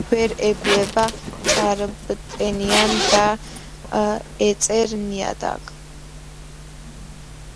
ვერ ეგუება ჭარბტენიან და ეწერ ნიადაგს.